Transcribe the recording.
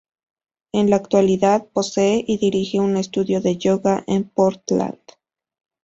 En la actualidad posee y dirige un estudio de yoga en Portland.